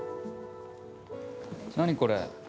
何これ。